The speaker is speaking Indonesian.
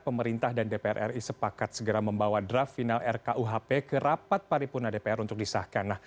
pemerintah dan dpr ri sepakat segera membawa draft final rkuhp ke rapat paripurna dpr untuk disahkan